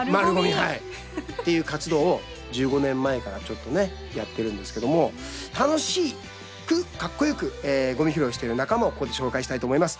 はい！っていう活動を１５年前からちょっとねやってるんですけども楽しくかっこよくごみ拾いしてる仲間をここで紹介したいと思います。